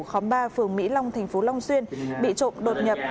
khóm ba phường mỹ long tp long xuyên bị trộm đột nhập